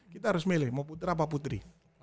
kita harus milih mau putra apa putri